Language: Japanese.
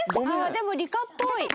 でも梨香っぽい。